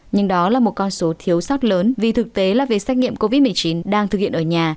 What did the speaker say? nhưng đó là một con số thiếu sót lớn vì thực tế là về xét nghiệm covid một mươi chín đang thực hiện ở nhà